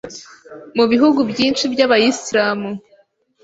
mu bihugu byinshi by’Abayisilamu